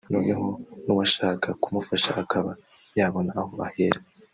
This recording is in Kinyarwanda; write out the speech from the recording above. noneho n’uwashaka kumufasha akaba yabona aho ahera